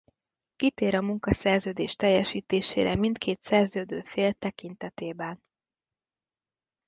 Kitér a munkaszerződés teljesítésére mindkét szerződő fél tekintetében.